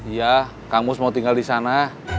iya kang mus mau tinggal disana